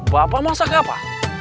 bapak masak apa